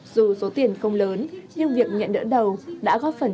dù số tiền không lớn nhưng việc nhận đỡ đầu đã góp phần